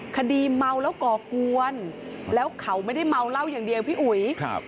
คดีเมาแล้วก่อกวนแล้วเขาไม่ได้เมาเหล้าอย่างเดียวพี่อุ๋ย